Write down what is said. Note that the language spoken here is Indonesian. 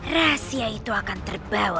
rahasia itu akan terbawa